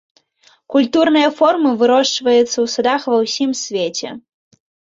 Культурныя формы вырошчваецца ў садах ва ўсім свеце.